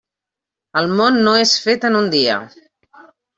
El món no és fet en un dia.